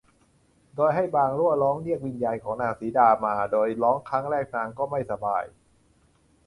โดยให้บ่างลั่วร้องเรียกวิญญาณของนางสีดามา โดยร้องครั้งแรกนางก็ไม่สบาย